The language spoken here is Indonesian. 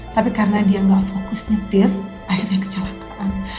tapi karena dia nggak fokus nyetir akhirnya kecelakaan